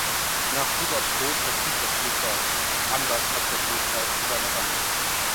Nach Rudolfs Tod verblieb das Bild dort, anderes als der Großteil seiner Sammlung.